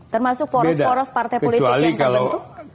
termasuk poros poros partai politik yang terbentuk